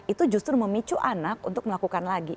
itu justru memicu anak untuk melakukan lagi